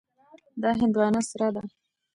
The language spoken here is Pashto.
دا هندوانه سره ده.